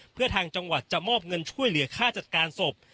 เพื่อทางจังหวัดจะมอบเงินช่วยเหลือค่าจัดการศพ